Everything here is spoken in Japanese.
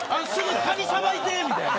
「カニさばいて」みたいな。